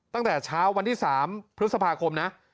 ตั้งแต่เช้าวันที่๓พฤษภาคมนะ